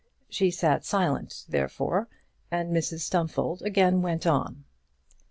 She sat silent, therefore, and Mrs Stumfold again went on.